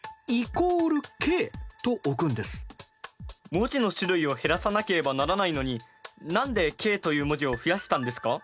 文字の種類を減らさなければならないのに何でｋという文字を増やしたんですか？